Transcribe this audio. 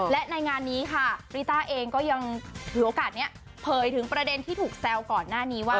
และในงานนี้ค่ะริต้าเองก็ยังถือโอกาสนี้เผยถึงประเด็นที่ถูกแซวก่อนหน้านี้ว่า